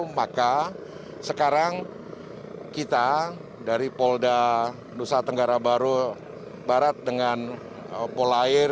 maka sekarang kita dari polda nusa tenggara barat dengan polair